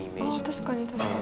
確かに確かに。